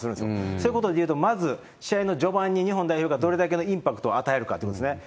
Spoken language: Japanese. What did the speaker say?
そういうことでいうと、まず、試合の序盤に日本代表がどれだけのインパクトを与えるかということですね。